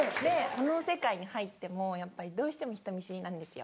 この世界に入ってもやっぱりどうしても人見知りなんですよ。